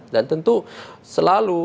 dan tentu selalu